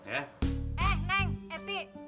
eh neng eti